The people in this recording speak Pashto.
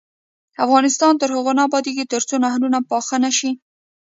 افغانستان تر هغو نه ابادیږي، ترڅو نهرونه پاخه نشي.